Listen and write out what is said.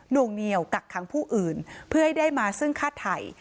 วงเหนียวกักขังผู้อื่นเพื่อให้ได้มาซึ่งฆ่าไทย